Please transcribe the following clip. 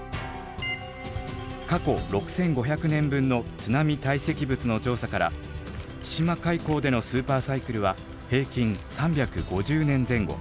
過去６，５００年分の津波堆積物の調査から千島海溝でのスーパーサイクルは平均３５０年前後。